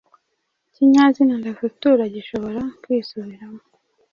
Ikinyazina ndafutura gishobora kwisubiramo